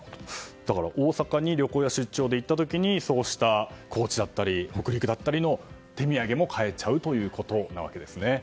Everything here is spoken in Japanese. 大阪に旅行や出張で行った時に高知だったり北陸の手土産も買えちゃうということなわけですね。